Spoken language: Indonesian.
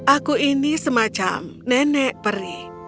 aku ini semacam nenek peri